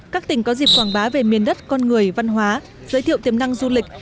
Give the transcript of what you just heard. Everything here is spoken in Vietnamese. các tỉnh có dịp quảng bá về miền đất con người văn hóa giới thiệu tiềm năng du lịch